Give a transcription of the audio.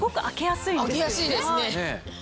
開けやすいですね。